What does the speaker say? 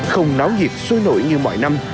không náo dịp sôi nổi như mỗi năm